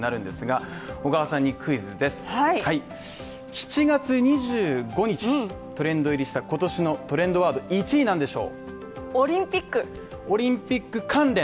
７月２５日にトレンド入りした今年のトレンドワード１位なんでしょう